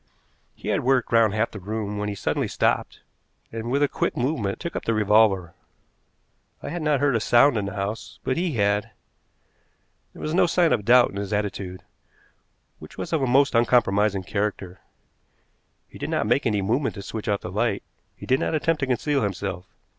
He had worked round half the room when he suddenly stopped, and, with a quick movement, took up the revolver. I had not heard a sound in the house, but he had. There was no sign of doubt in his attitude, which was of a most uncompromising character. He did not make any movement to switch off the light, he did not attempt to conceal himself.